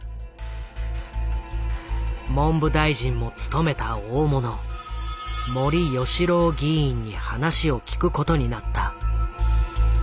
文部大臣も務めた大物森喜朗議員に話を聞くことになった。